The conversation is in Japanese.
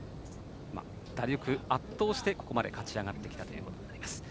打力で圧倒して、ここまで勝ち上がってきたことになります。